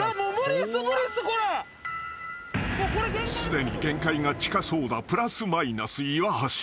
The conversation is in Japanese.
［すでに限界が近そうなプラス・マイナス岩橋］